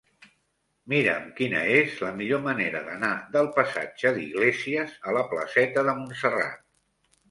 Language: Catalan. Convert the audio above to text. Mira'm quina és la millor manera d'anar del passatge d'Iglésias a la placeta de Montserrat.